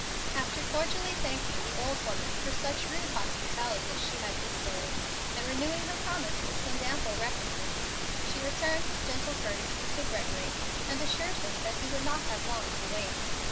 After cordially thanking the old woman for such rude hospitality as she had bestowed, and renewing her promise to send ample recompense, she turned with gentle courtesy to Gregory and assured him that he would not have long to wait.